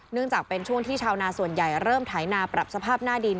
จากเป็นช่วงที่ชาวนาส่วนใหญ่เริ่มไถนาปรับสภาพหน้าดิน